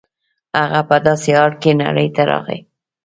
هغه په داسې حال کې نړۍ ته راغی